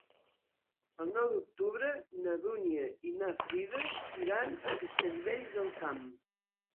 El nou d'octubre na Dúnia i na Frida iran a Castellvell del Camp.